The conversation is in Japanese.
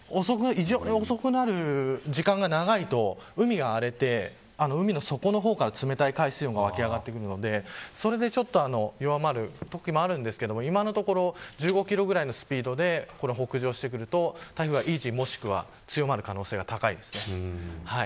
遅くなる時間が長いと海が荒れて海の底の方から冷たい海水温が湧き上がるのでそれで弱まるときもありますが今のところ１５キロぐらいのスピードで北上してくると台風が維持、もしくは強まる可能性が高いです。